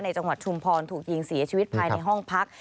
จังหวัดชุมพรถูกยิงเสียชีวิตภายในห้องพัก